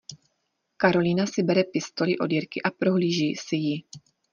Karolína si bere pistoli od Jirky a prohlíží si ji.